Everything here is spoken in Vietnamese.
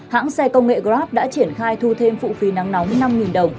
vâng xin chào mình tạm biệt